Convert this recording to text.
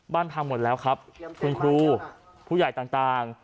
บ้านพังหมดแล้วครับคุณครูผู้ใหญ่ต่าง